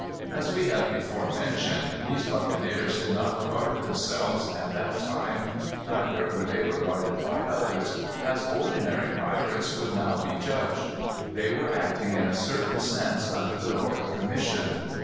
As we have before mentioned, these buccaneers did not regard themselves, at that time, neither were they regarded by others, as ordinary pirates would now be judged. They were acting in a certain sense under the royal commission.